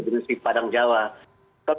generasi padang jawa